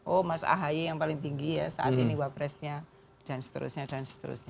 oh mas ahaye yang paling tinggi ya saat ini wapresnya dan seterusnya dan seterusnya